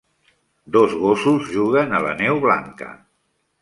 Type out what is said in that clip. Dos gossos juguen a la neu blanca.